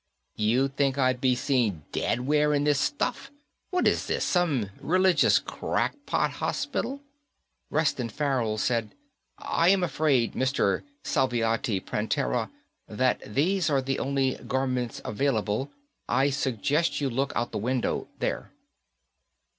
"You think I'd be seen dead wearing this stuff? What is this, some religious crackpot hospital?" Reston Farrell said, "I am afraid, Mr. Salviati Prantera, that these are the only garments available. I suggest you look out the window there."